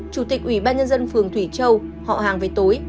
chủ tịch ủy ban nhân dân phường thủy châu họ hàng về tối